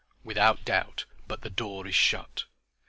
(Without doubt, but the door is shut.)